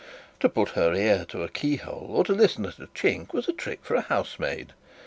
To put her ear to a key hole or to listen at a chink, was a trick for a housemaid.